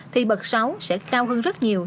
thì bật sáu sẽ cao hơn rất nhiều